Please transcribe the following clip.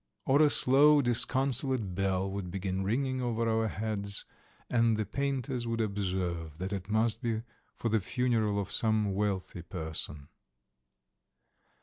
or a slow disconsolate bell would begin ringing over our heads, and the painters would observe that it must be for the funeral of some wealthy person.